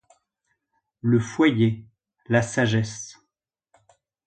Le foyer, la sagesse